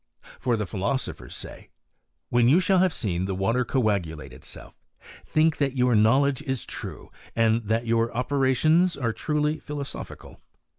For the philosophers say, " When you shall hav6 seen the water coagulate itself, think that your knowledge is true, and that your operations are truely philoso* phical."